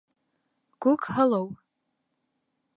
Күкһылыу!